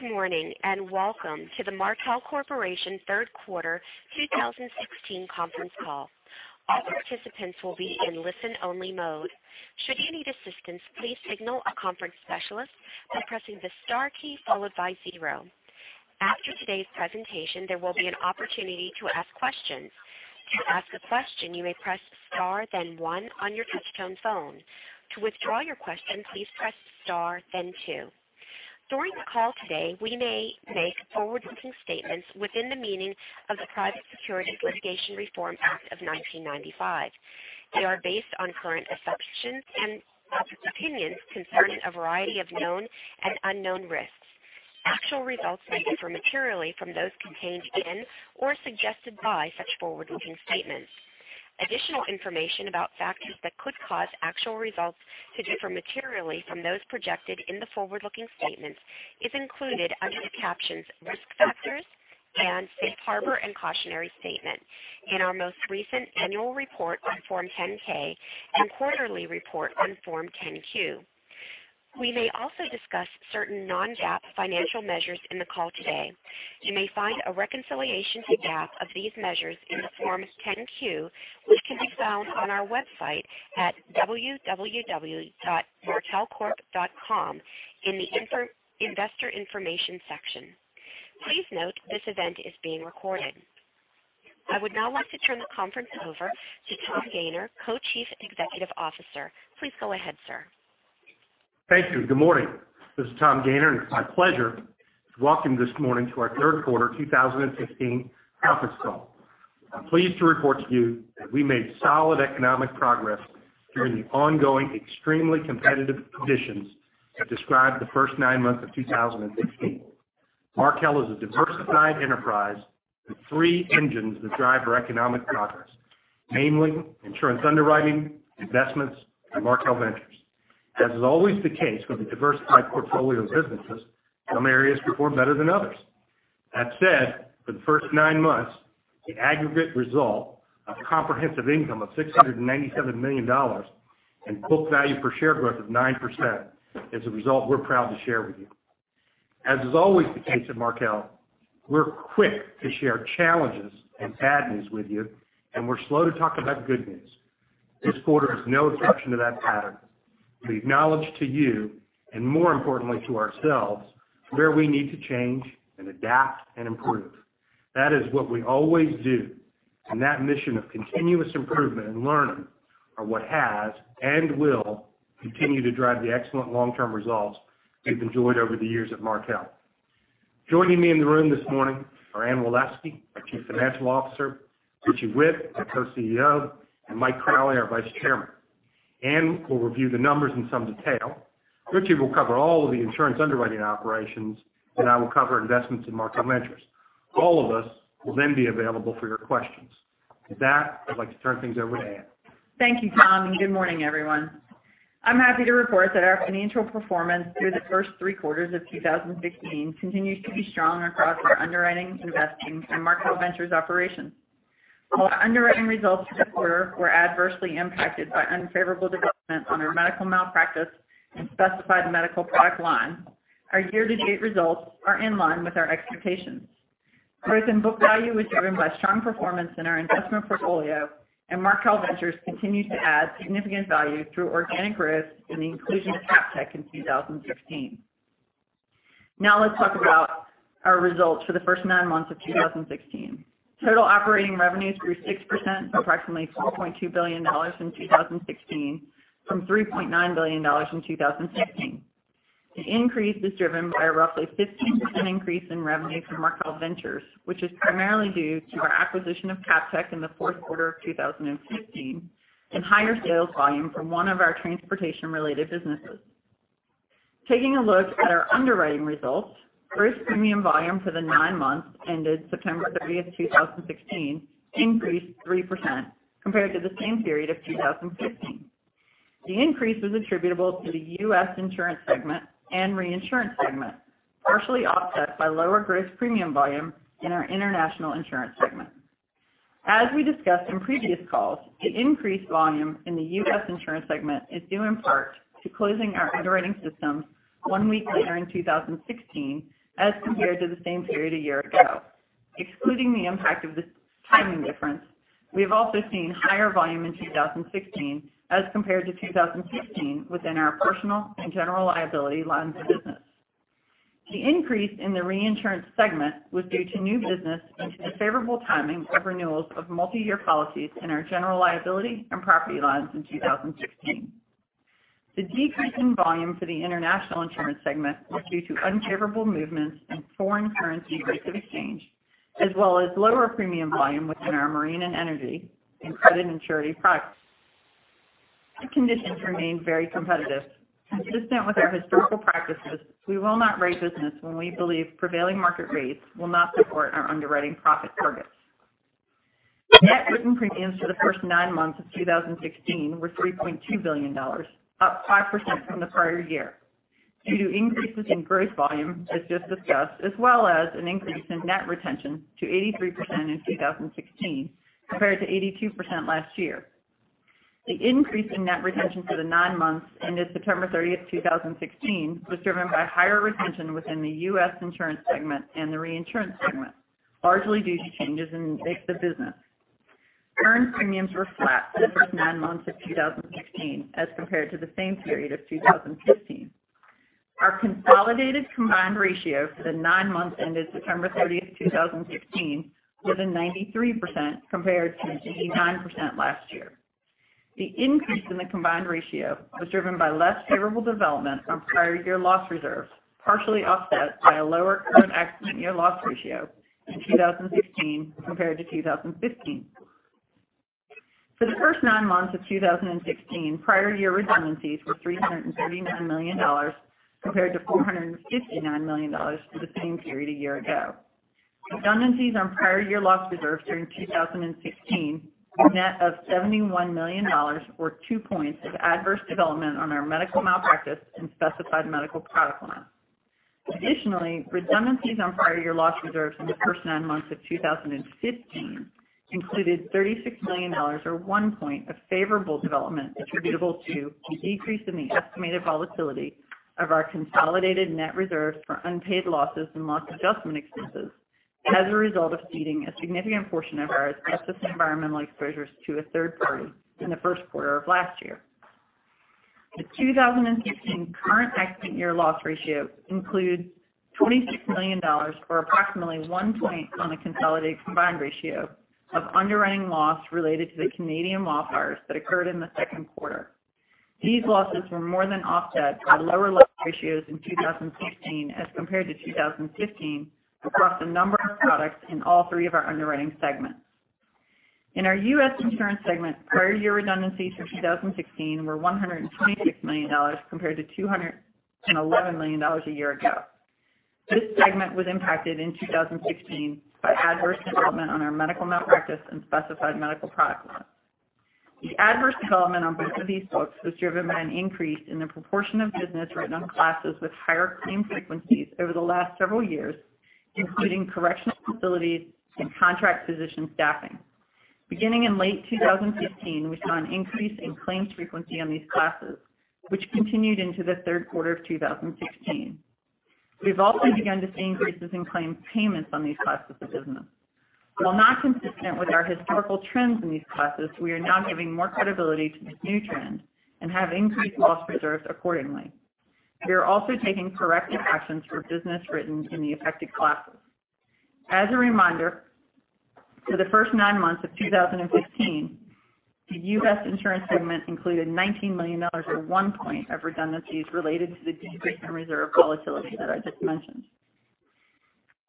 Good morning, welcome to the Markel Corporation third quarter 2016 conference call. All participants will be in listen only mode. Should you need assistance, please signal a conference specialist by pressing the star key, followed by zero. After today's presentation, there will be an opportunity to ask questions. To ask a question, you may press star then one on your touch tone phone. To withdraw your question, please press star then two. During the call today, we may make forward-looking statements within the meaning of the Private Securities Litigation Reform Act of 1995. They are based on current assumptions and opinions concerning a variety of known and unknown risks. Actual results may differ materially from those contained in or suggested by such forward-looking statements. Additional information about factors that could cause actual results to differ materially from those projected in the forward-looking statements is included under the captions, risk factors and safe harbor and cautionary statement in our most recent annual report on Form 10-K and quarterly report on Form 10-Q. We may also discuss certain non-GAAP financial measures in the call today. You may find a reconciliation to GAAP of these measures in the Form 10-Q, which can be found on our website at www.markelcorp.com in the investor information section. Please note this event is being recorded. I would now like to turn the conference over to Tom Gayner, Co-Chief Executive Officer. Please go ahead, sir. Thank you. Good morning. This is Tom Gayner, it's my pleasure to welcome you this morning to our third quarter 2016 conference call. I'm pleased to report to you that we made solid economic progress during the ongoing extremely competitive conditions that described the first nine months of 2016. Markel is a diversified enterprise with three engines that drive our economic progress, namely insurance underwriting, investments, and Markel Ventures. As is always the case with a diversified portfolio of businesses, some areas perform better than others. That said, for the first nine months, the aggregate result of comprehensive income of $697 million and book value per share growth of 9% is a result we're proud to share with you. As is always the case at Markel, we're quick to share challenges and bad news with you, we're slow to talk about good news. This quarter is no exception to that pattern. We acknowledge to you, more importantly to ourselves, where we need to change and adapt and improve. That is what we always do, that mission of continuous improvement and learning are what has and will continue to drive the excellent long-term results we've enjoyed over the years at Markel. Joining me in the room this morning are Anne Waleski, our Chief Financial Officer, Richie Whitt, our Co-CEO, and Mike Crowley, our Vice Chairman. Anne will review the numbers in some detail. Richie will cover all of the insurance underwriting operations, I will cover investments in Markel Ventures. All of us will be available for your questions. With that, I'd like to turn things over to Anne. Thank you, Tom, and good morning, everyone. I'm happy to report that our financial performance through the first three quarters of 2016 continues to be strong across our underwriting, investing, and Markel Ventures operations. While underwriting results this quarter were adversely impacted by unfavorable developments on our medical malpractice and specified medical product line, our year-to-date results are in line with our expectations. Growth in book value was driven by strong performance in our investment portfolio, and Markel Ventures continues to add significant value through organic growth and the inclusion of CapTech in 2016. Now let's talk about our results for the first nine months of 2016. Total operating revenues grew 6%, approximately $4.2 billion in 2016 from $3.9 billion in 2015. The increase is driven by a roughly 15% increase in revenue from Markel Ventures, which is primarily due to our acquisition of CapTech in the fourth quarter of 2015 and higher sales volume from one of our transportation related businesses. Taking a look at our underwriting results, gross premium volume for the nine months ended September 30th, 2016 increased 3% compared to the same period of 2015. The increase was attributable to the U.S. insurance segment and reinsurance segment, partially offset by lower gross premium volume in our international insurance segment. As we discussed in previous calls, the increased volume in the U.S. insurance segment is due in part to closing our underwriting systems one week later in 2016 as compared to the same period a year ago. Excluding the impact of this timing difference, we have also seen higher volume in 2016 as compared to 2015 within our personal and general liability lines of business. The increase in the reinsurance segment was due to new business and to the favorable timing of renewals of multi-year policies in our general liability and property lines in 2016. The decrease in volume for the international insurance segment was due to unfavorable movements in foreign currency rates of exchange as well as lower premium volume within our marine and energy and credit and surety products. The conditions remain very competitive. Consistent with our historical practices, we will not raise business when we believe prevailing market rates will not support our underwriting profit targets. Net written premiums for the first nine months of 2016 were $3.2 billion, up 5% from the prior year due to increases in gross volume, as just discussed, as well as an increase in net retention to 83% in 2016 compared to 82% last year. The increase in net retention for the nine months ended September 30th, 2016, was driven by higher retention within the U.S. insurance segment and the reinsurance segment, largely due to changes in the business. Earned premiums were flat for the first nine months of 2016 as compared to the same period of 2015. Our consolidated combined ratio for the nine months ended September 30th, 2016, was at 93% compared to 89% last year. The increase in the combined ratio was driven by less favorable development on prior year loss reserves, partially offset by a lower current accident year loss ratio in 2016 compared to 2015. For the first nine months of 2016, prior year redundancies were $339 million compared to $459 million for the same period a year ago. Redundancies on prior year loss reserves during 2016 were a net of $71 million, or two points of adverse development on our medical malpractice and specified medical product lines. Additionally, redundancies on prior year loss reserves in the first nine months of 2015 included $36 million, or one point of favorable development attributable to a decrease in the estimated volatility of our consolidated net reserves for unpaid losses and loss adjustment expenses as a result of ceding a significant portion of our asbestos environmental exposures to a third party in the first quarter of last year. The 2016 current accident year loss ratio includes $26 million, or approximately one point on the consolidated combined ratio of underwriting loss related to the Canadian wildfires that occurred in the second quarter. These losses were more than offset by lower loss ratios in 2016 as compared to 2015 across a number of products in all three of our underwriting segments. In our U.S. insurance segment, prior year redundancies for 2016 were $126 million compared to $211 million a year ago. This segment was impacted in 2016 by adverse development on our medical malpractice and specified medical product lines. The adverse development on both of these books was driven by an increase in the proportion of business written on classes with higher claim frequencies over the last several years, including correctional facilities and contract physician staffing. Beginning in late 2015, we saw an increase in claims frequency on these classes, which continued into the third quarter of 2016. We've also begun to see increases in claims payments on these classes of business. While not consistent with our historical trends in these classes, we are now giving more credibility to this new trend and have increased loss reserves accordingly. We are also taking corrective actions for business written in the affected classes. As a reminder, for the first nine months of 2015, the U.S. insurance segment included $19 million or one point of redundancies related to the decrease in reserve volatility that I just mentioned.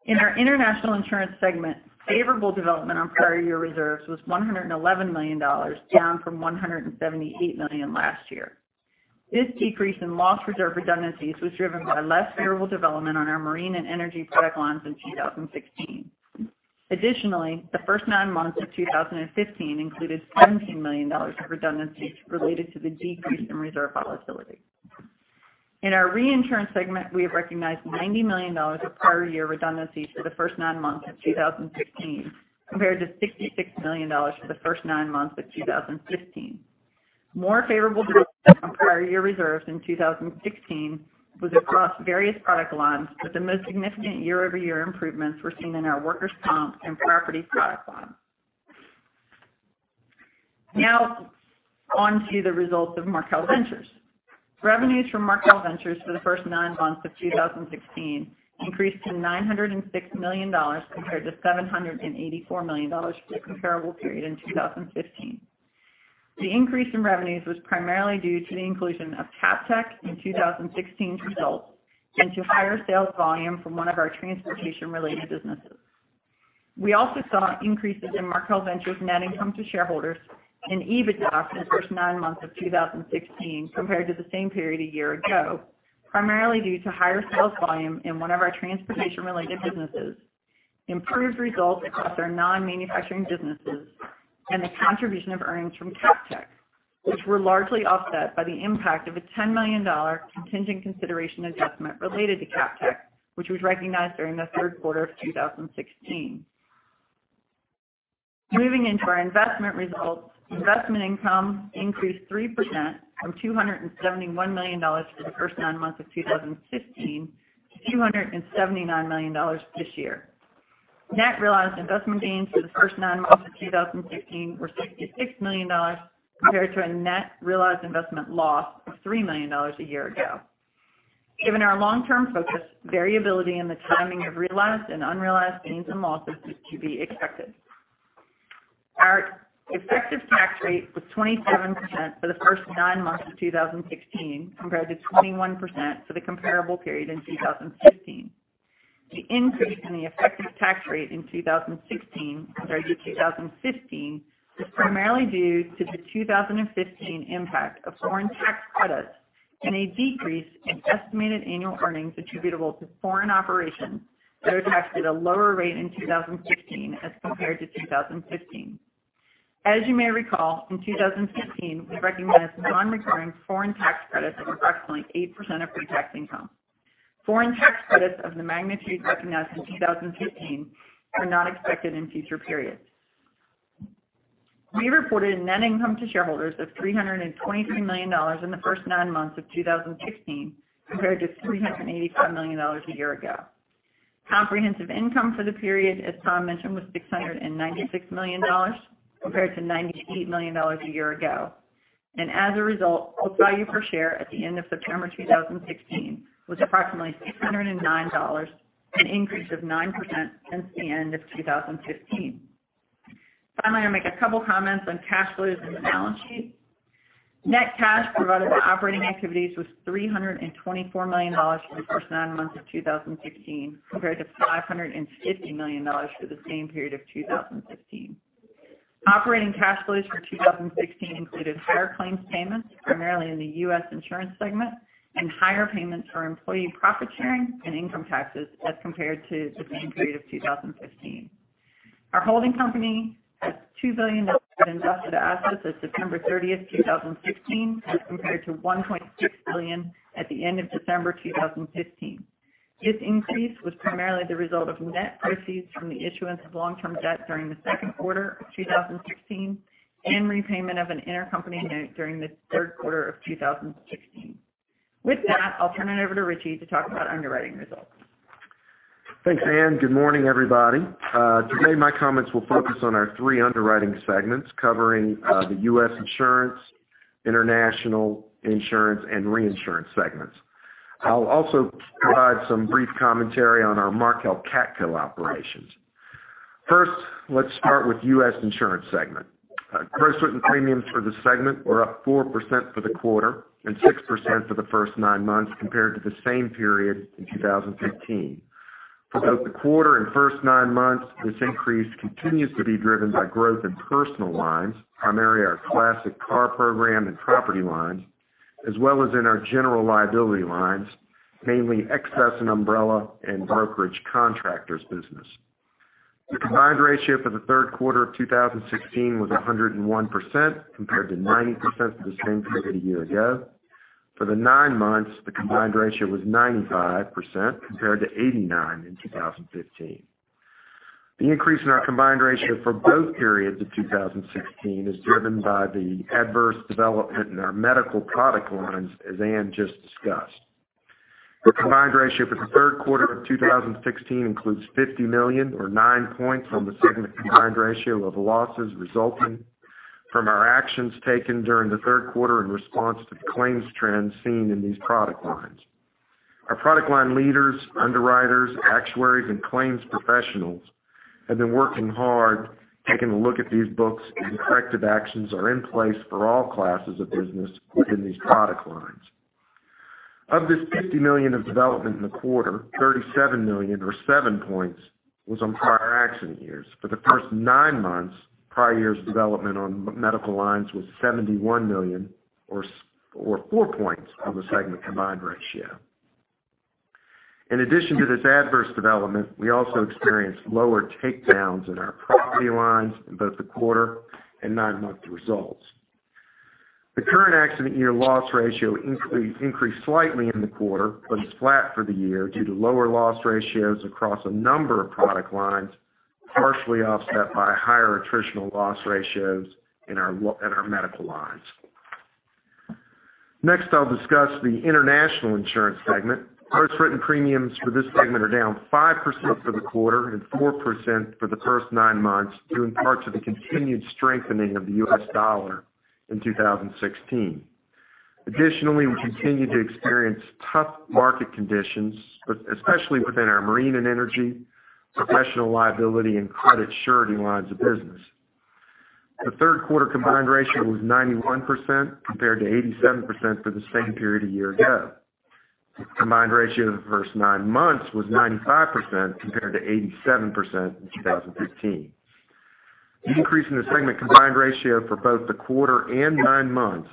In our international insurance segment, favorable development on prior year reserves was $111 million, down from $178 million last year. This decrease in loss reserve redundancies was driven by less favorable development on our marine and energy product lines in 2016. The first nine months of 2015 included $17 million of redundancies related to the decrease in reserve volatility. In our reinsurance segment, we have recognized $90 million of prior year redundancies for the first nine months of 2016 compared to $66 million for the first nine months of 2015. More favorable development on prior year reserves in 2016 was across various product lines, but the most significant year-over-year improvements were seen in our workers' comp and property product line. On to the results of Markel Ventures. Revenues from Markel Ventures for the first nine months of 2016 increased to $906 million, compared to $784 million for the comparable period in 2015. The increase in revenues was primarily due to the inclusion of CapTech in 2016 results and to higher sales volume from one of our transportation-related businesses. We also saw increases in Markel Ventures' net income to shareholders and EBITDA for the first nine months of 2016 compared to the same period a year ago, primarily due to higher sales volume in one of our transportation-related businesses, improved results across our non-manufacturing businesses, and the contribution of earnings from CapTech, which were largely offset by the impact of a $10 million contingent consideration adjustment related to CapTech, which was recognized during the third quarter of 2016. Moving into our investment results, investment income increased 3% from $271 million for the first nine months of 2015 to $279 million this year. Net realized investment gains for the first nine months of 2016 were $66 million, compared to a net realized investment loss of $3 million a year ago. Given our long-term focus, variability in the timing of realized and unrealized gains and losses is to be expected. Our effective tax rate was 27% for the first nine months of 2016 compared to 21% for the comparable period in 2015. The increase in the effective tax rate in 2016 compared to 2015 was primarily due to the 2015 impact of foreign tax credits and a decrease in estimated annual earnings attributable to foreign operations that are taxed at a lower rate in 2016 as compared to 2015. As you may recall, in 2015 we recognized non-recurring foreign tax credits of approximately 8% of pre-tax income. Foreign tax credits of the magnitude recognized in 2015 are not expected in future periods. We reported a net income to shareholders of $323 million in the first nine months of 2016, compared to $385 million a year ago. Comprehensive income for the period, as Tom mentioned, was $696 million compared to $98 million a year ago. As a result, book value per share at the end of September 2016 was approximately $609, an increase of 9% since the end of 2015. Finally, I'll make a couple comments on cash flows and the balance sheet. Net cash provided by operating activities was $324 million for the first nine months of 2016, compared to $550 million for the same period of 2015. Operating cash flows for 2016 included higher claims payments, primarily in the U.S. insurance segment, and higher payments for employee profit sharing and income taxes as compared to the same period of 2015. Our holding company has $2 billion in invested assets as of September 30th, 2016, as compared to $1.6 billion at the end of December 2015. This increase was primarily the result of net proceeds from the issuance of long-term debt during the second quarter of 2016 and repayment of an intercompany note during the third quarter of 2016. With that, I'll turn it over to Richie to talk about underwriting results. Thanks, Anne. Good morning, everybody. Today, my comments will focus on our three underwriting segments covering the U.S. Insurance, International Insurance, and Reinsurance segments. I'll also provide some brief commentary on our Markel CATCo operations. First, let's start with U.S. Insurance Segment. Gross written premiums for the segment were up 4% for the quarter and 6% for the first nine months compared to the same period in 2015. For both the quarter and first nine months, this increase continues to be driven by growth in personal lines, primarily our classic car program and property lines, as well as in our general liability lines, mainly excess and umbrella and brokerage contractors business. The combined ratio for the third quarter of 2016 was 101% compared to 90% for the same period a year ago. For the nine months, the combined ratio was 95% compared to 89% in 2015. The increase in our combined ratio for both periods of 2016 is driven by the adverse development in our medical product lines, as Anne just discussed. The combined ratio for the third quarter of 2016 includes $50 million or nine points on the segment combined ratio of losses resulting from our actions taken during the third quarter in response to claims trends seen in these product lines. Our product line leaders, underwriters, actuaries, and claims professionals have been working hard taking a look at these books, and corrective actions are in place for all classes of business within these product lines. Of this $50 million of development in the quarter, $37 million or seven points was on prior accident years. For the first nine months, prior years development on medical lines was $71 million or four points on the segment combined ratio. In addition to this adverse development, we also experienced lower takedowns in our property lines in both the quarter and nine-month results. The current accident year loss ratio increased slightly in the quarter, but is flat for the year due to lower loss ratios across a number of product lines, partially offset by higher attritional loss ratios in our medical lines. Next, I'll discuss the International Insurance Segment. Gross written premiums for this segment are down 5% for the quarter and 4% for the first nine months, due in part to the continued strengthening of the U.S. dollar in 2016. Additionally, we continue to experience tough market conditions, especially within our marine and energy, professional liability, and credit surety lines of business. The third quarter combined ratio was 91% compared to 87% for the same period a year ago. The combined ratio of the first nine months was 95% compared to 87% in 2015. The increase in the segment combined ratio for both the quarter and nine months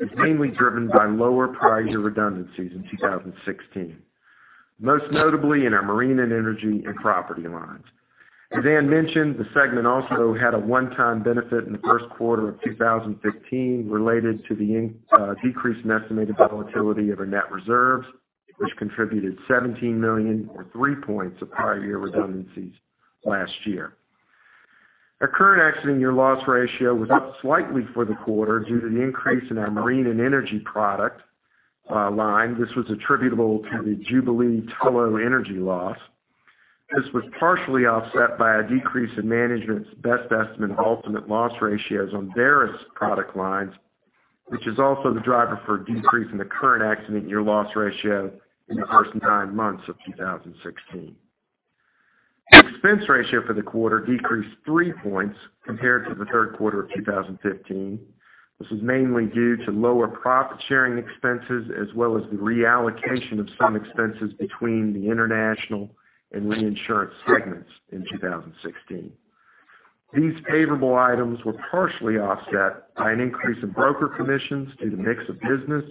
is mainly driven by lower prior year redundancies in 2016, most notably in our marine and energy and property lines. As Anne mentioned, the segment also had a one-time benefit in the first quarter of 2015 related to the decrease in estimated volatility of our net reserves, which contributed $17 million or three points of prior year redundancies last year. Our current accident year loss ratio was up slightly for the quarter due to the increase in our marine and energy product line. This was attributable to the Jubilee FPSO energy loss. This was partially offset by a decrease in management's best estimate of ultimate loss ratios on various product lines, which is also the driver for a decrease in the current accident year loss ratio in the first nine months of 2016. The expense ratio for the quarter decreased three points compared to the third quarter of 2015. This was mainly due to lower profit-sharing expenses, as well as the reallocation of some expenses between the international and reinsurance segments in 2016. These favorable items were partially offset by an increase in broker commissions due to mix of business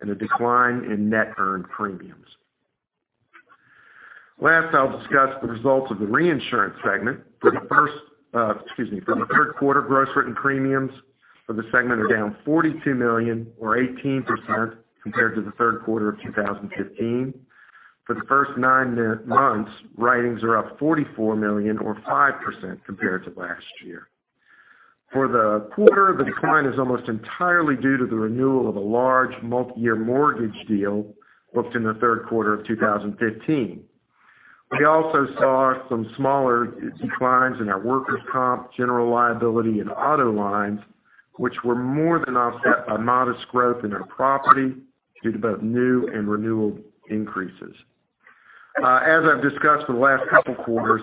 and a decline in net earned premiums. Last, I'll discuss the results of the reinsurance segment for the first, excuse me, for the third quarter, gross written premiums for the segment are down $42 million or 18% compared to the third quarter of 2015. For the first nine months, writings are up $44 million or 5% compared to last year. For the quarter, the decline is almost entirely due to the renewal of a large multi-year mortgage deal booked in the third quarter of 2015. We also saw some smaller declines in our workers' comp, general liability, and auto lines, which were more than offset by modest growth in our property due to both new and renewal increases. As I've discussed for the last couple of quarters,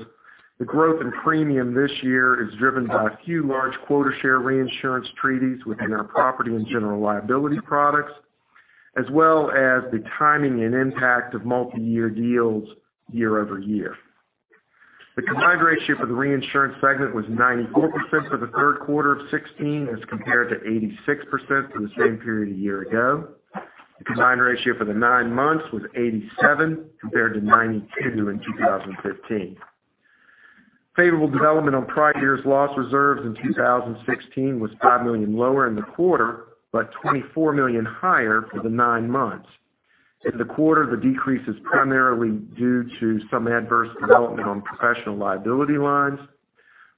the growth in premium this year is driven by a few large quota share reinsurance treaties within our property and general liability products, as well as the timing and impact of multi-year deals year-over-year. The combined ratio for the reinsurance segment was 94% for the third quarter of 2016 as compared to 86% for the same period a year ago. The combined ratio for the nine months was 87% compared to 92% in 2015. Favorable development on prior year's loss reserves in 2016 was $5 million lower in the quarter, but $24 million higher for the nine months. In the quarter, the decrease is primarily due to some adverse development on professional liability lines.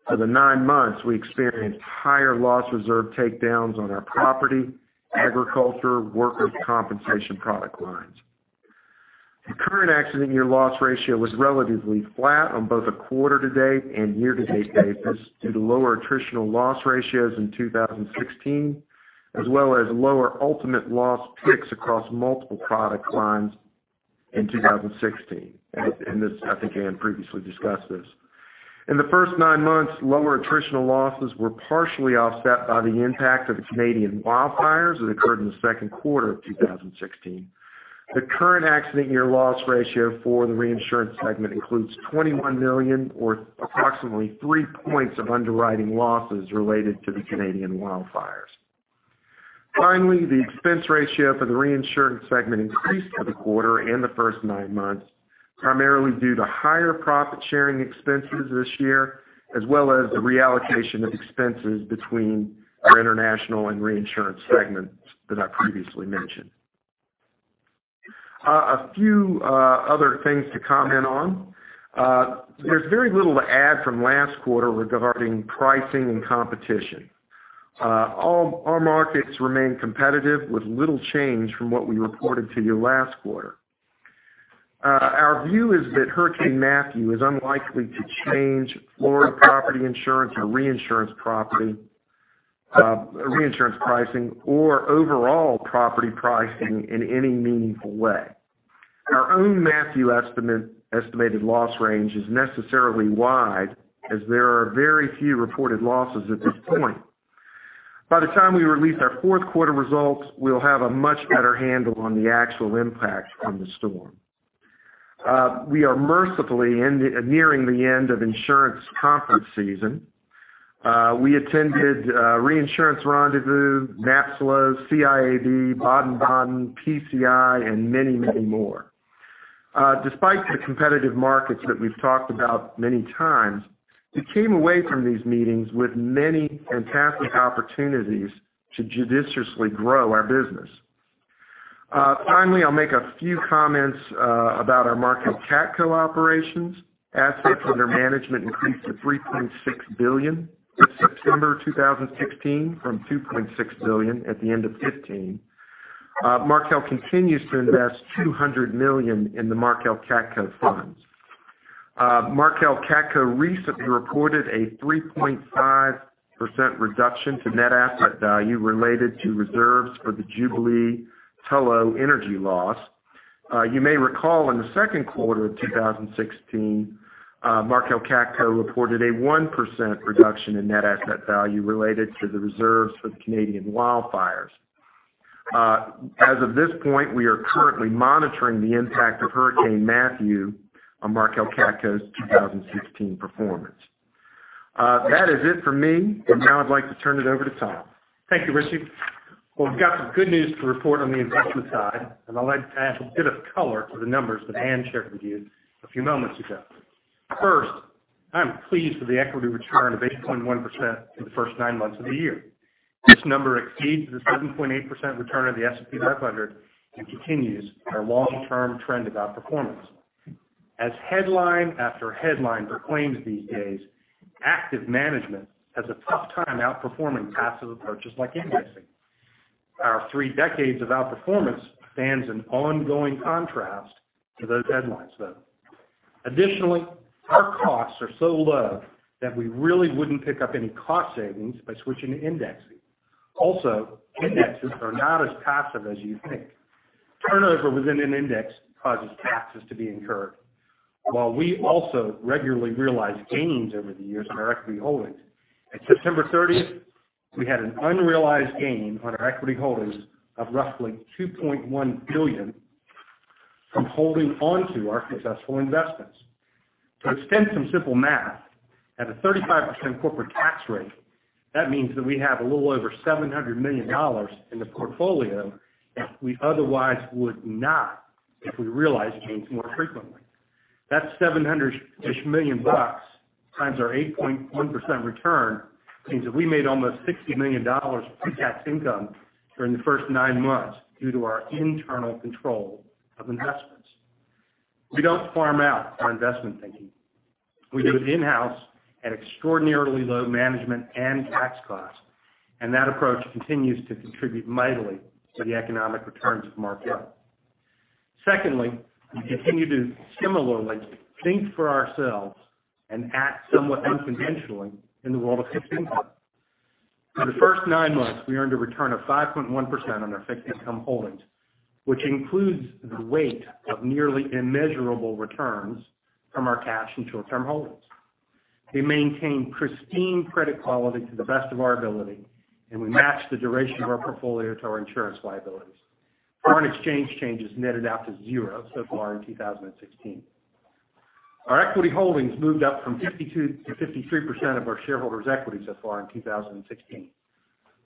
For the nine months, we experienced higher loss reserve takedowns on our property, agriculture, workers' compensation product lines. The current accident year loss ratio was relatively flat on both a quarter-to-date and year-to-date basis due to lower attritional loss ratios in 2016, as well as lower ultimate loss picks across multiple product lines in 2016. This, I think Anne previously discussed this. In the first nine months, lower attritional losses were partially offset by the impact of the Canadian wildfires that occurred in the second quarter of 2016. The current accident year loss ratio for the reinsurance segment includes $21 million or approximately three points of underwriting losses related to the Canadian wildfires. Finally, the expense ratio for the reinsurance segment increased for the quarter and the first nine months, primarily due to higher profit-sharing expenses this year, as well as the reallocation of expenses between our international and reinsurance segments that I previously mentioned. A few other things to comment on. There's very little to add from last quarter regarding pricing and competition. All our markets remain competitive with little change from what we reported to you last quarter. Our view is that Hurricane Matthew is unlikely to change Florida property insurance or reinsurance pricing, or overall property pricing in any meaningful way. Our own Matthew estimated loss range is necessarily wide, as there are very few reported losses at this point. By the time we release our fourth quarter results, we'll have a much better handle on the actual impact from the storm. We are mercifully nearing the end of insurance conference season. We attended Reinsurance Rendezvous, NAPSLO, CIAB, Baden-Baden, PCI, and many, many more. Despite the competitive markets that we've talked about many times, we came away from these meetings with many fantastic opportunities to judiciously grow our business. Finally, I'll make a few comments about our Markel CATCo operations. Assets under management increased to $3.6 billion for September 2016 from $2.6 billion at the end of 2015. Markel continues to invest $200 million in the Markel CATCo funds. Markel CATCo recently reported a 3.5% reduction to net asset value related to reserves for the Jubilee FPSO energy loss. You may recall, in the second quarter of 2016, Markel CATCo reported a 1% reduction in net asset value related to the reserves for the Canadian wildfires. As of this point, we are currently monitoring the impact of Hurricane Matthew on Markel CATCo's 2016 performance. That is it for me, and now I'd like to turn it over to Tom. Thank you, Richie. We've got some good news to report on the investment side, and I'd like to add a bit of color to the numbers that Anne shared with you a few moments ago. First, I am pleased with the equity return of 8.1% for the first nine months of the year. This number exceeds the 7.8% return of the S&P 500 and continues our long-term trend of outperformance. As headline after headline proclaims these days, active management has a tough time outperforming passive approaches like indexing. Our three decades of outperformance stands in ongoing contrast to those headlines, though. Our costs are so low that we really wouldn't pick up any cost savings by switching to indexing. Indexes are not as passive as you think. Turnover within an index causes taxes to be incurred. While we also regularly realize gains over the years on our equity holdings, at September 30th, we had an unrealized gain on our equity holdings of roughly $2.1 billion from holding onto our successful investments. To extend some simple math, at a 35% corporate tax rate, that means that we have a little over $700 million in the portfolio that we otherwise would not if we realized gains more frequently. That 700-ish million bucks times our 8.1% return means that we made almost $60 million of pre-tax income during the first nine months due to our internal control of investments. We don't farm out our investment thinking. We do it in-house at extraordinarily low management and tax cost, and that approach continues to contribute mightily to the economic returns of Markel. We continue to similarly think for ourselves and act somewhat unconventionally in the world of fixed income. For the first nine months, we earned a return of 5.1% on our fixed income holdings, which includes the weight of nearly immeasurable returns from our cash and short-term holdings. We maintain pristine credit quality to the best of our ability, and we match the duration of our portfolio to our insurance liabilities. Foreign exchange changes netted out to zero so far in 2016. Our equity holdings moved up from 52% to 53% of our shareholders' equity so far in 2016.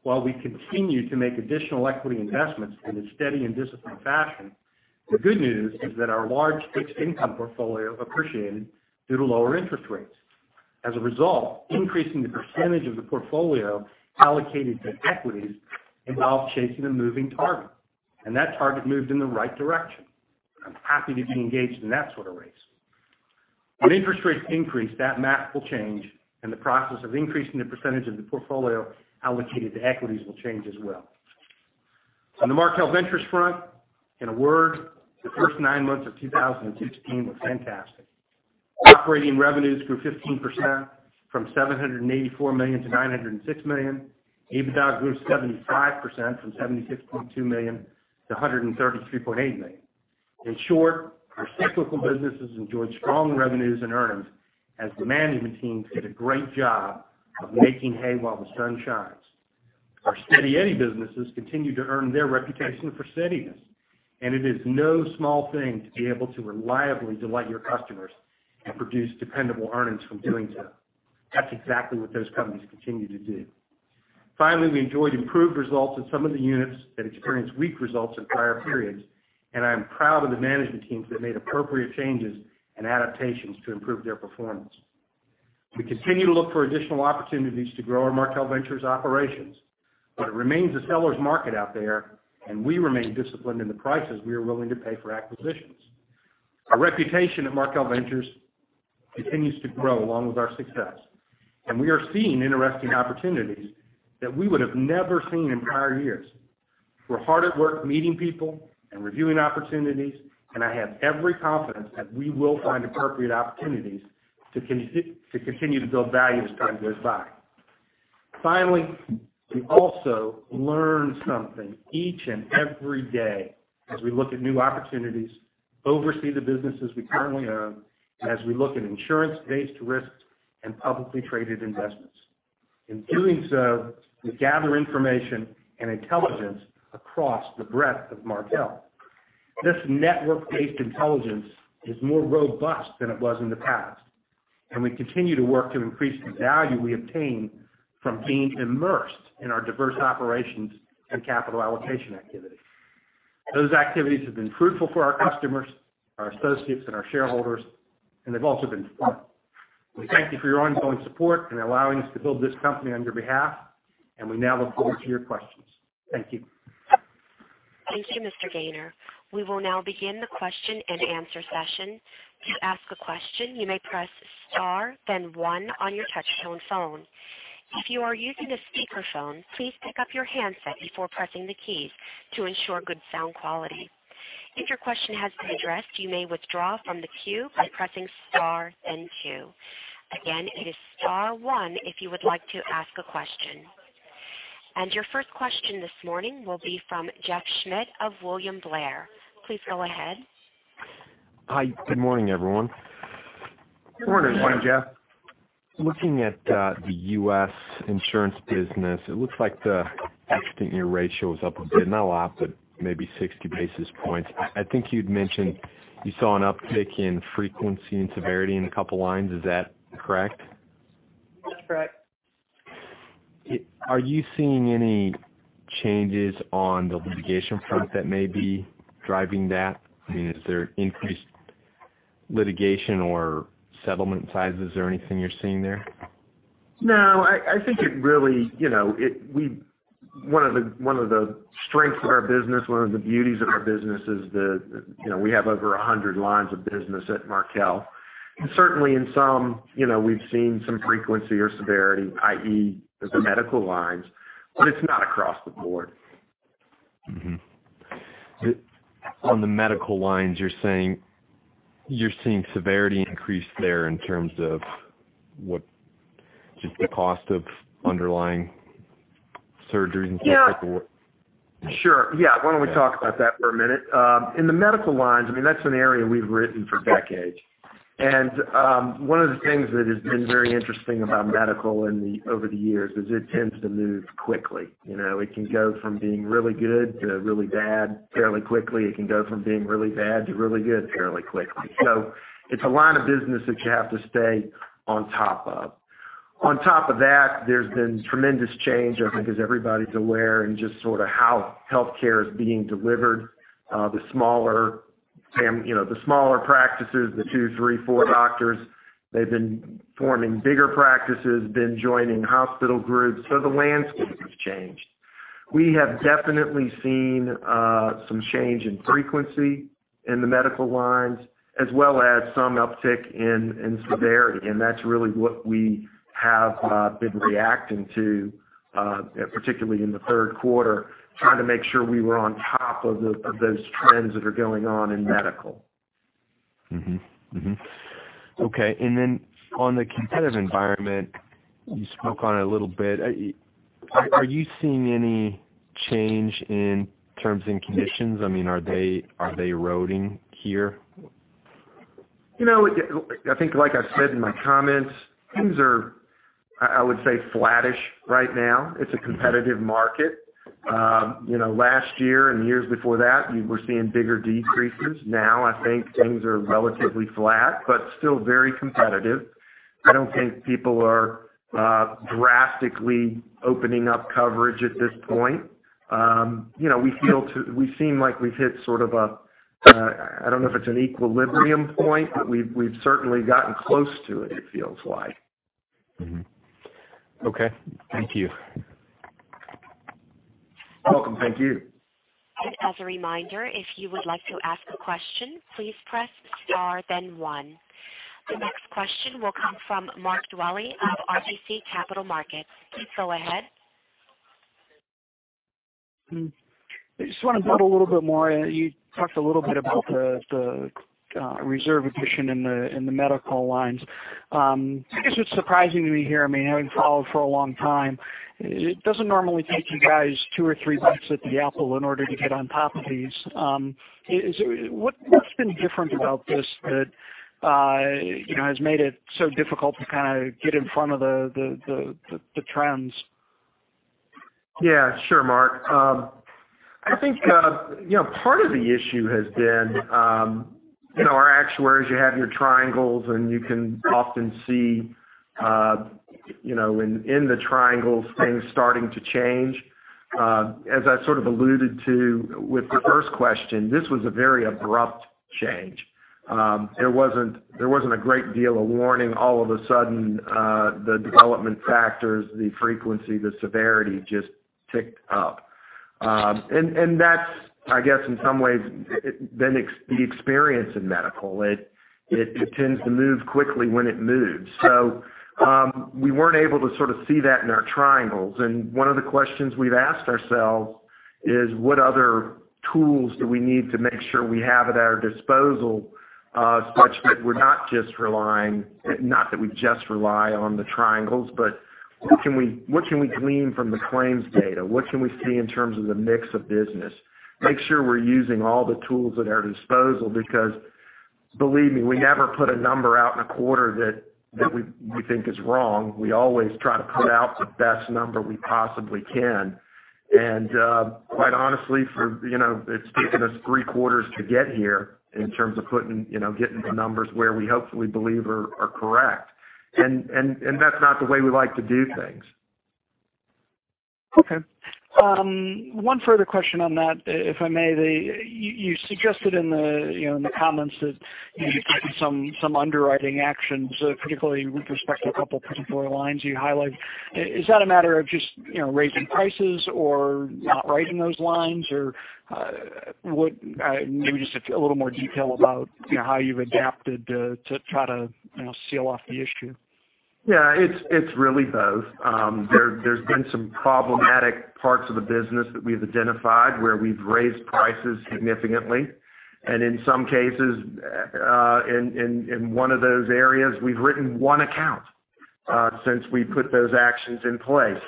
While we continue to make additional equity investments in a steady and disciplined fashion, the good news is that our large fixed income portfolio appreciated due to lower interest rates. As a result, increasing the percentage of the portfolio allocated to equities involves chasing a moving target, and that target moved in the right direction. I'm happy to be engaged in that sort of race. When interest rates increase, that math will change, and the process of increasing the percentage of the portfolio allocated to equities will change as well. On the Markel Ventures front, in a word, the first nine months of 2016 were fantastic. Operating revenues grew 15%, from $784 million to $906 million. EBITDA grew 75%, from $76.2 million to $133.8 million. In short, our cyclical businesses enjoyed strong revenues and earnings as the management teams did a great job of making hay while the sun shines. Our steady Eddie businesses continue to earn their reputation for steadiness, and it is no small thing to be able to reliably delight your customers and produce dependable earnings from doing so. That's exactly what those companies continue to do. Finally, we enjoyed improved results in some of the units that experienced weak results in prior periods, and I am proud of the management teams that made appropriate changes and adaptations to improve their performance. We continue to look for additional opportunities to grow our Markel Ventures operations, but it remains a seller's market out there, and we remain disciplined in the prices we are willing to pay for acquisitions. Our reputation at Markel Ventures continues to grow along with our success, and we are seeing interesting opportunities that we would have never seen in prior years. We're hard at work meeting people and reviewing opportunities, and I have every confidence that we will find appropriate opportunities to continue to build value as time goes by. Finally, we also learn something each and every day as we look at new opportunities, oversee the businesses we currently own, and as we look at insurance-based risks and publicly traded investments. In doing so, we gather information and intelligence across the breadth of Markel. This network-based intelligence is more robust than it was in the past, and we continue to work to increase the value we obtain from being immersed in our diverse operations and capital allocation activities. Those activities have been fruitful for our customers, our associates, and our shareholders, and they've also been fun. We thank you for your ongoing support in allowing us to build this company on your behalf, and we now look forward to your questions. Thank you. Thank you, Mr. Gayner. We will now begin the question and answer session. To ask a question, you may press star then one on your touchtone phone. If you are using a speakerphone, please pick up your handset before pressing the keys to ensure good sound quality. If your question has been addressed, you may withdraw from the queue by pressing star then two. Again, it is star one if you would like to ask a question. Your first question this morning will be from Jeff Schmitt of William Blair. Please go ahead. Hi. Good morning, everyone. Good morning, Jeff. Looking at the U.S. insurance business, it looks like the accident year ratio is up a bit. Not a lot, but maybe 60 basis points. I think you'd mentioned you saw an uptick in frequency and severity in a couple lines. Is that correct? That's correct. Are you seeing any changes on the litigation front that may be driving that? Is there increased litigation or settlement sizes or anything you're seeing there? No. One of the strengths of our business, one of the beauties of our business is that we have over 100 lines of business at Markel. Certainly in some, we've seen some frequency or severity, i.e., the medical lines, but it's not across the board. On the medical lines, you're saying you're seeing severity increase there in terms of just the cost of underlying surgeries and stuff like that? Sure. Yeah. Why don't we talk about that for a minute? In the medical lines, that's an area we've written for decades. One of the things that has been very interesting about medical over the years is it tends to move quickly. It can go from being really good to really bad fairly quickly. It can go from being really bad to really good fairly quickly. It's a line of business that you have to stay on top of. On top of that, there's been tremendous change, I think as everybody's aware, in just sort of how healthcare is being delivered. The smaller practices, the two, three, four doctors, they've been forming bigger practices, been joining hospital groups. The landscape has changed. We have definitely seen some change in frequency in the medical lines, as well as some uptick in severity, and that's really what we have been reacting to, particularly in the third quarter, trying to make sure we were on top of those trends that are going on in medical. Mm-hmm. Okay. On the competitive environment, you spoke on it a little bit. Are you seeing any change in terms and conditions? Are they eroding here? I think like I said in my comments, things are, I would say, flattish right now. It's a competitive market. Last year and the years before that, we were seeing bigger decreases. Now, I think things are relatively flat, but still very competitive. I don't think people are drastically opening up coverage at this point. We seem like we've hit sort of a, I don't know if it's an equilibrium point, but we've certainly gotten close to it feels like. Okay. Thank you. You're welcome. Thank you. As a reminder, if you would like to ask a question, please press star then one. The next question will come from Mark Dwelle of RBC Capital Markets. Please go ahead. I just want to build a little bit more. You talked a little bit about the reserve addition in the medical lines. I guess what's surprising to me here, having followed for a long time, it doesn't normally take you guys two or three bites at the apple in order to get on top of these. What's been different about this that has made it so difficult to kind of get in front of the trends? Yeah. Sure, Mark. I think, part of the issue has been our actuaries, you have your triangles, and you can often see, in the triangles, things starting to change. As I sort of alluded to with the first question, this was a very abrupt change. There wasn't a great deal of warning. All of a sudden, the development factors, the frequency, the severity just ticked up. That's, I guess, in some ways, been the experience in medical. It tends to move quickly when it moves. We weren't able to sort of see that in our triangles. One of the questions we've asked ourselves is what other tools do we need to make sure we have at our disposal, such that we're not just relying, not that we just rely on the triangles, but what can we glean from the claims data? What can we see in terms of the mix of business? Make sure we're using all the tools at our disposal, because believe me, we never put a number out in a quarter that we think is wrong. We always try to put out the best number we possibly can. Quite honestly, it's taken us three quarters to get here in terms of getting the numbers where we hopefully believe are correct. That's not the way we like to do things. Okay. One further question on that, if I may. You suggested in the comments that you've taken some underwriting actions, particularly with respect to a couple of particular lines you highlight. Is that a matter of just raising prices or not writing those lines? Maybe just a little more detail about how you've adapted to try to seal off the issue. Yeah. It's really both. There's been some problematic parts of the business that we've identified where we've raised prices significantly. In some cases, in one of those areas, we've written one account since we put those actions in place.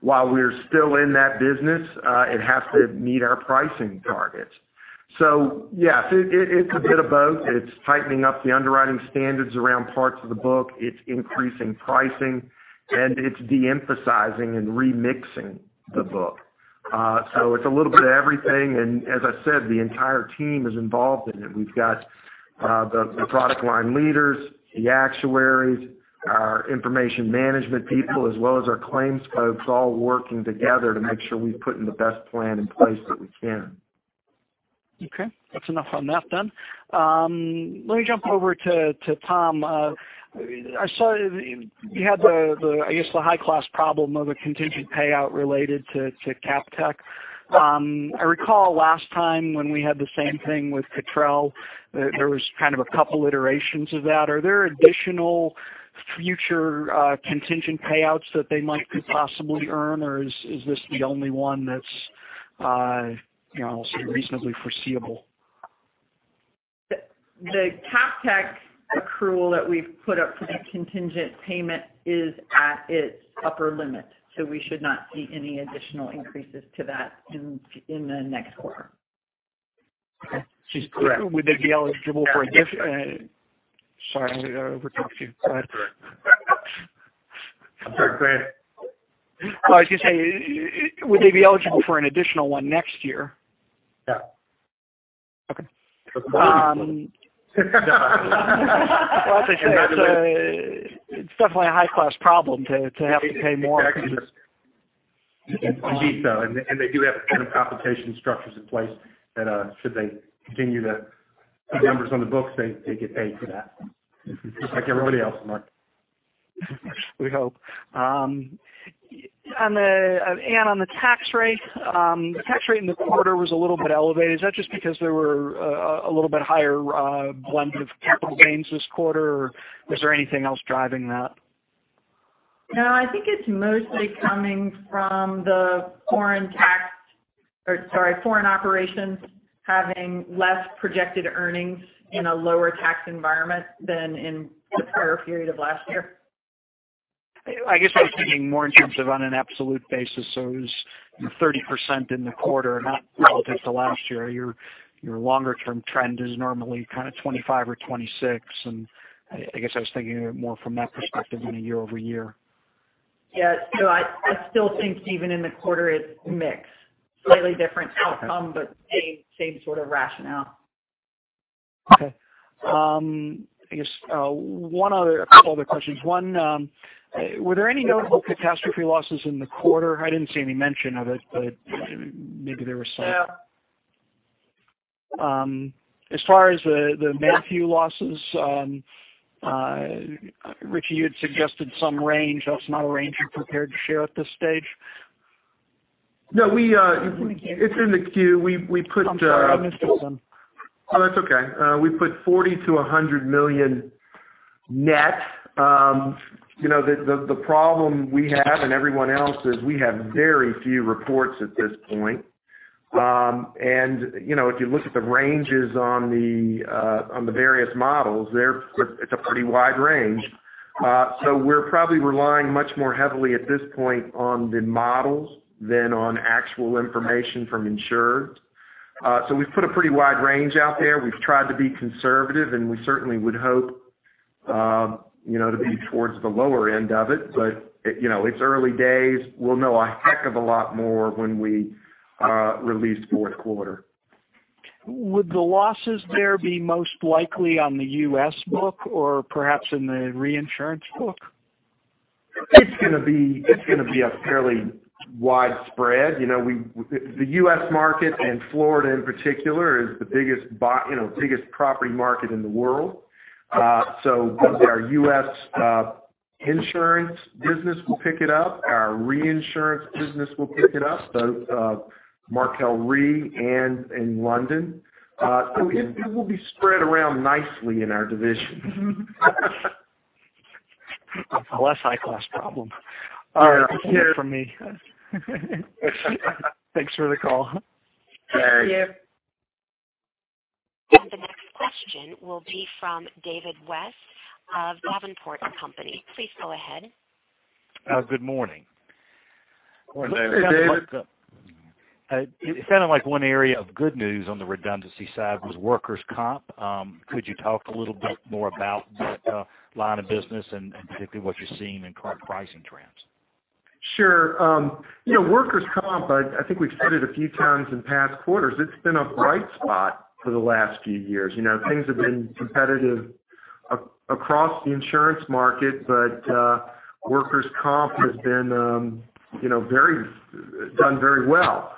While we're still in that business, it has to meet our pricing targets. Yes, it's a bit of both. It's tightening up the underwriting standards around parts of the book, it's increasing pricing, and it's de-emphasizing and remixing the book. It's a little bit of everything, and as I said, the entire team is involved in it. We've got the product line leaders, the actuaries, our information management people, as well as our claims folks all working together to make sure we've put the best plan in place that we can. Okay. That's enough on that. Let me jump over to Tom. I saw you had the, I guess, the high-class problem of a contingent payout related to CapTech. I recall last time when we had the same thing with Cottrell, there was kind of a couple iterations of that. Are there additional future contingent payouts that they might could possibly earn, or is this the only one that's, I'll say, reasonably foreseeable? The CapTech accrual that we've put up for that contingent payment is at its upper limit. We should not see any additional increases to that in the next quarter. Okay. She's correct. Would they be eligible for a Sorry, I overtalked you. Go ahead. That's all right. I was going to say, would they be eligible for an additional one next year? Yeah. Well, as they say, it's definitely a high-class problem to have to pay more. Exactly. Indeed though, and they do have computation structures in place that should they continue to put numbers on the books, they get paid for that. Just like everybody else, Mark. We hope. Anne, on the tax rate, the tax rate in the quarter was a little bit elevated. Is that just because there were a little bit higher blend of capital gains this quarter, or was there anything else driving that? I think it's mostly coming from the foreign operations having less projected earnings in a lower tax environment than in the prior period of last year. I guess I was thinking more in terms of on an absolute basis. It was 30% in the quarter, not relative to last year. Your longer-term trend is normally 25 or 26, I guess I was thinking more from that perspective than a year-over-year. Yeah. I still think even in the quarter, it's a mix. Slightly different outcome but same sort of rationale. Okay. I guess a couple other questions. One, were there any notable catastrophe losses in the quarter? I didn't see any mention of it, but maybe there were some. Yeah. As far as the Matthew losses, Richie, you had suggested some range. That's not a range you're prepared to share at this stage? No, it's in the Q. I'm sorry. I missed it then. Oh, that's okay. We put $40 million-$100 million net. The problem we have, and everyone else, is we have very few reports at this point. If you look at the ranges on the various models, it's a pretty wide range. We're probably relying much more heavily at this point on the models than on actual information from insureds. We've put a pretty wide range out there. We've tried to be conservative, and we certainly would hope to be towards the lower end of it. It's early days. We'll know a heck of a lot more when we release fourth quarter. Would the losses there be most likely on the U.S. book or perhaps in the reinsurance book? It's going to be fairly widespread. The U.S. market, and Florida in particular, is the biggest property market in the world. Both our U.S. insurance business will pick it up, our reinsurance business will pick it up, both Markel Re and in London. It will be spread around nicely in our divisions. A less high-class problem. Yeah. For me. Thanks for the call. Thank you. The next question will be from David West of Davenport & Company. Please go ahead. Good morning. Good morning, David. It sounded like one area of good news on the redundancy side was workers' comp. Could you talk a little bit more about that line of business and particularly what you're seeing in current pricing trends? Sure. Workers' comp, I think we've stated a few times in past quarters, it's been a bright spot for the last few years. Things have been competitive across the insurance market, Workers' comp has done very well.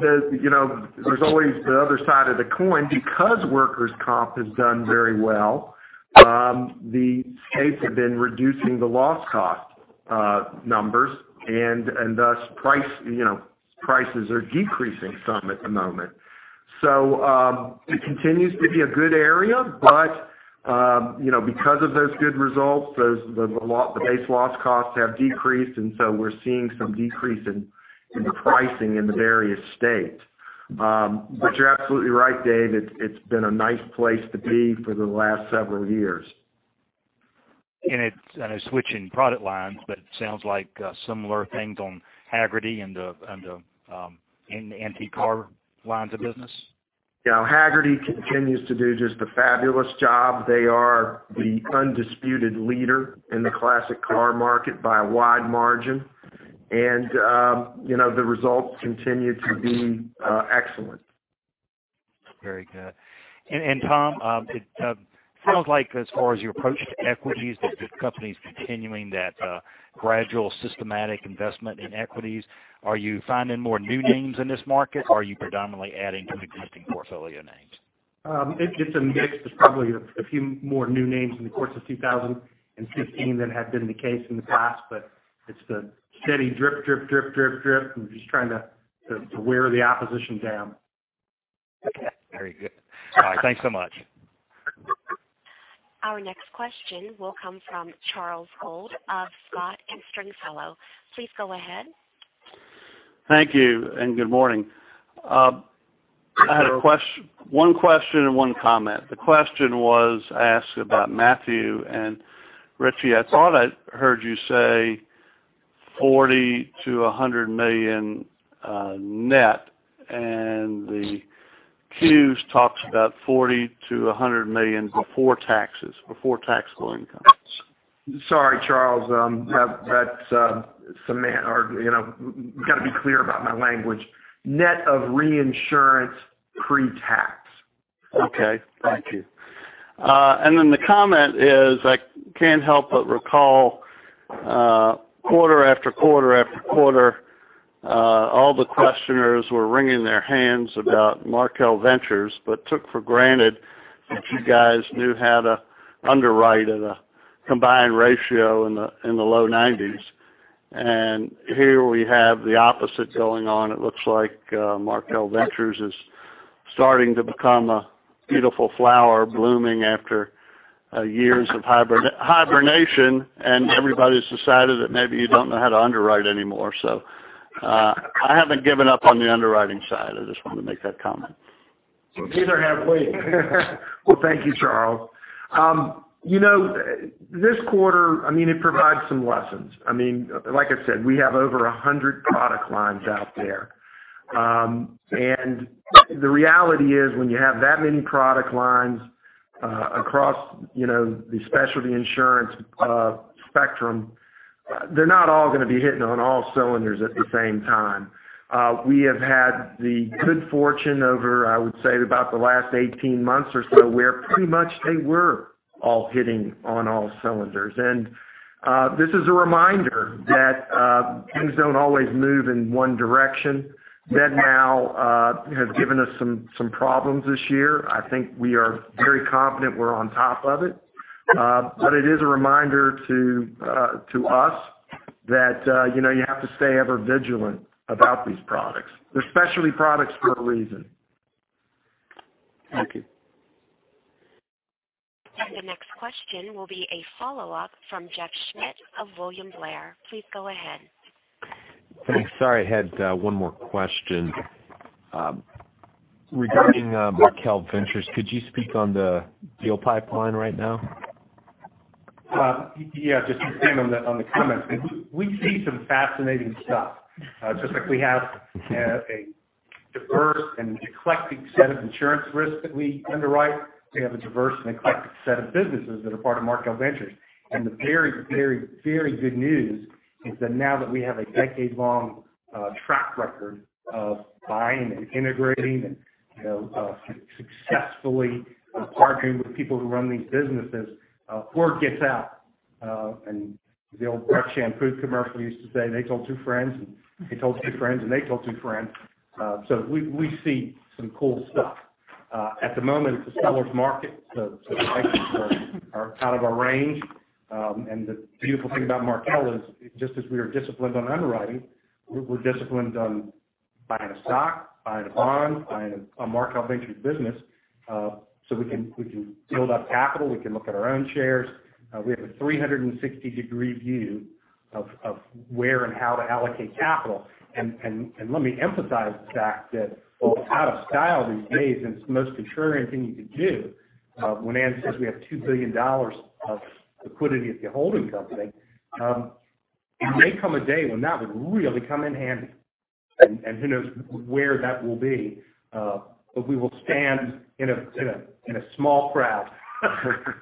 There's always the other side of the coin. Because workers' comp has done very well, the states have been reducing the loss cost numbers, Thus prices are decreasing some at the moment. It continues to be a good area, Because of those good results, the base loss costs have decreased, So we're seeing some decrease in the pricing in the various states. You're absolutely right, Dave. It's been a nice place to be for the last several years. I know switching product lines, It sounds like similar things on Hagerty and the antique car lines of business? Yeah. Hagerty continues to do just a fabulous job. They are the undisputed leader in the classic car market by a wide margin. The results continue to be excellent. Very good. Tom, it sounds like as far as your approach to equities, that the company's continuing that gradual systematic investment in equities. Are you finding more new names in this market, or are you predominantly adding to existing portfolio names? It's a mix. There's probably a few more new names in the course of 2016 than had been the case in the past, it's the steady drip. I'm just trying to wear the opposition down. Okay. Very good. All right. Thanks so much. Our next question will come from Charles Gold of Scott & Stringfellow. Please go ahead. Thank you, and good morning. Hello. I had one question and one comment. The question was asked about Hurricane Matthew, and Richie, I thought I heard you say $40 million-$100 million net, and the Qs talks about $40 million-$100 million before taxes, before taxable income. Sorry, Charles. We've got to be clear about my language. Net of reinsurance pre-tax. Okay. Thank you. The comment is, I can't help but recall quarter after quarter after quarter, all the questioners were wringing their hands about Markel Ventures, but took for granted that you guys knew how to underwrite at a combined ratio in the low 90s. Here we have the opposite going on. It looks like Markel Ventures is starting to become a beautiful flower blooming after years of hibernation, and everybody's decided that maybe you don't know how to underwrite anymore. I haven't given up on the underwriting side. I just wanted to make that comment. Neither have we. Well, thank you, Charles. This quarter, it provides some lessons. Like I said, we have over 100 product lines out there. The reality is, when you have that many product lines across the specialty insurance spectrum, they're not all going to be hitting on all cylinders at the same time. We have had the good fortune over, I would say about the last 18 months or so, where pretty much they were all hitting on all cylinders. This is a reminder that things don't always move in one direction. MedNow has given us some problems this year. I think we are very confident we're on top of it. It is a reminder to us that you have to stay ever vigilant about these products. They're specialty products for a reason. Thank you. The next question will be a follow-up from Jeff Schmitt of William Blair. Please go ahead. Thanks. Sorry, I had one more question. Regarding Markel Ventures, could you speak on the deal pipeline right now? Yeah. Just to expand on the comments. We see some fascinating stuff. Just like we have a diverse and eclectic set of insurance risks that we underwrite, we have a diverse and eclectic set of businesses that are part of Markel Ventures. The very good news is that now that we have a decade-long track record of buying and integrating and successfully partnering with people who run these businesses, word gets out. The old shampoo commercial used to say, "They told two friends, and they told two friends, and they told two friends." We see some cool stuff. At the moment, it's a seller's market, so prices are out of our range. The beautiful thing about Markel is, just as we are disciplined on underwriting, we're disciplined on buying a stock, buying a bond, buying a Markel Ventures business. We can build up capital. We can look at our own shares. We have a 360-degree view of where and how to allocate capital. Let me emphasize the fact that while it's out of style these days, and it's the most contrarian thing you could do, when Anne says we have $2 billion of liquidity at the holding company, there may come a day when that would really come in handy. Who knows where that will be. We will stand in a small crowd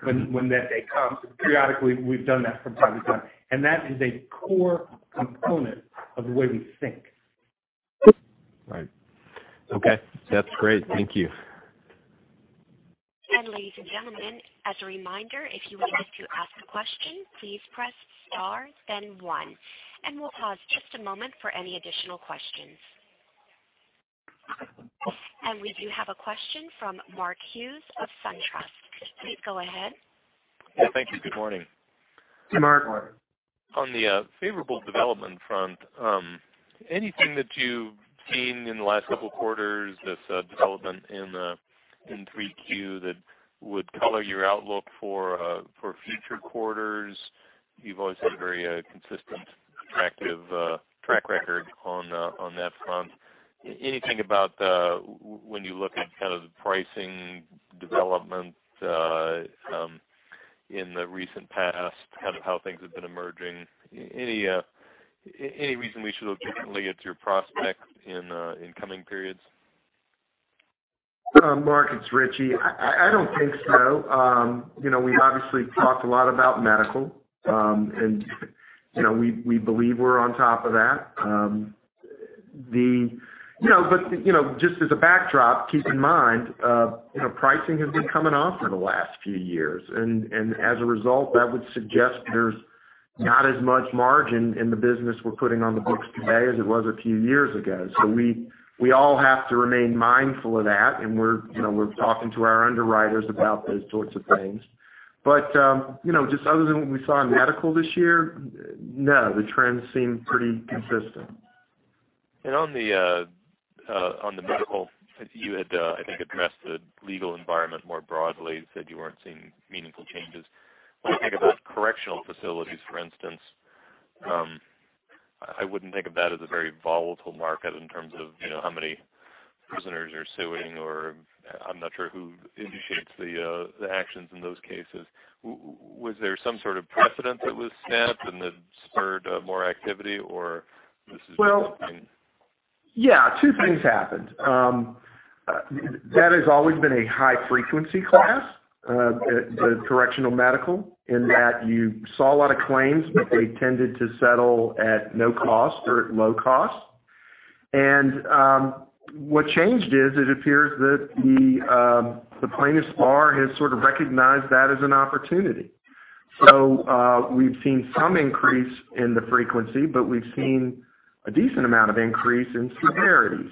when that day comes. Periodically, we've done that from time to time, and that is a core component of the way we think. Right. Okay. That's great. Thank you. Ladies and gentlemen, as a reminder, if you would like to ask a question, please press star then one, and we'll pause just a moment for any additional questions. We do have a question from Mark Hughes of SunTrust. Please go ahead. Yeah, thank you. Good morning. Hey, Mark. On the favorable development front, anything that you've seen in the last couple of quarters that's a development in 3Q that would color your outlook for future quarters? You've always had a very consistent, attractive track record on that front. Anything about when you look at kind of the pricing development in the recent past, kind of how things have been emerging? Any reason we should look differently at your prospects in coming periods? Mark, it's Richie Whitt. I don't think so. We've obviously talked a lot about medical, and we believe we're on top of that. Just as a backdrop, keep in mind, pricing has been coming off for the last few years. As a result, that would suggest there's not as much margin in the business we're putting on the books today as it was a few years ago. We all have to remain mindful of that, and we're talking to our underwriters about those sorts of things. Just other than what we saw in medical this year, no, the trends seem pretty consistent. On the medical, you had, I think, addressed the legal environment more broadly, said you weren't seeing meaningful changes. When we think about correctional facilities, for instance, I wouldn't think of that as a very volatile market in terms of how many prisoners are suing, or I'm not sure who initiates the actions in those cases. Was there some sort of precedent that was set and that spurred more activity, or this is just something- Two things happened. That has always been a high-frequency class, the correctional medical, in that you saw a lot of claims, but they tended to settle at no cost or at low cost. What changed is it appears that the plaintiffs' bar has sort of recognized that as an opportunity. We've seen some increase in the frequency, but we've seen a decent amount of increase in severity.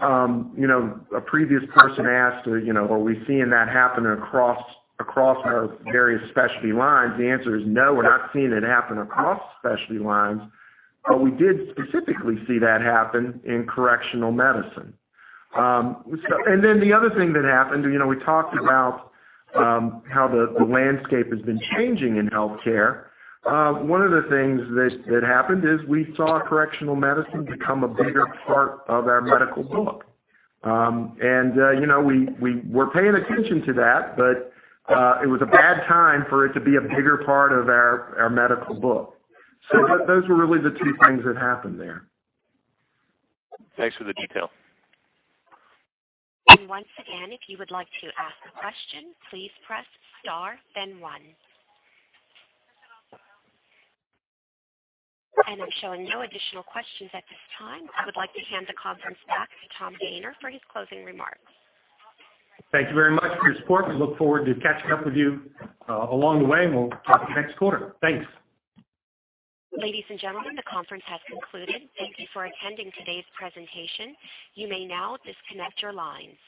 A previous person asked, are we seeing that happen across our various specialty lines? The answer is no, we're not seeing it happen across specialty lines. We did specifically see that happen in correctional medicine. The other thing that happened, we talked about how the landscape has been changing in healthcare. One of the things that happened is we saw correctional medicine become a bigger part of our medical book. We're paying attention to that, but it was a bad time for it to be a bigger part of our medical book. Those were really the two things that happened there. Thanks for the detail. Once again, if you would like to ask a question, please press star then one. I'm showing no additional questions at this time. I would like to hand the conference back to Tom Gayner for his closing remarks. Thank you very much for your support. We look forward to catching up with you along the way, we'll talk to you next quarter. Thanks. Ladies and gentlemen, the conference has concluded. Thank you for attending today's presentation. You may now disconnect your lines.